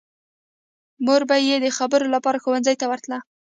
مور به یې د خبرو لپاره ښوونځي ته ورتله